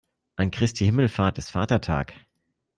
An Christi Himmelfahrt ist Vatertag.